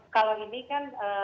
kalau ini kan